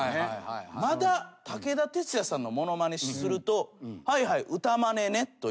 まだ武田鉄矢さんのものまねすると「はいはい歌まねね」という。